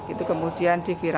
itu kemudian divilasi